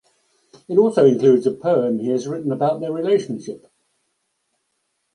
It also includes a poem he has written about their relationship.